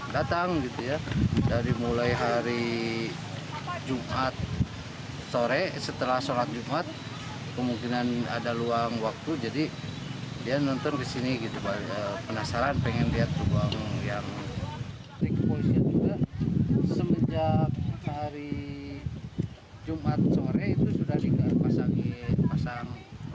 polisinya juga semenjak hari jumat sore itu sudah digasangin pasang len